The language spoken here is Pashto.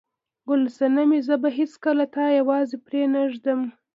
ګل صنمې، زه به هیڅکله تا یوازې پرېنږدم.